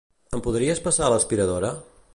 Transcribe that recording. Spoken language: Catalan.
Em podries passar l'aspiradora?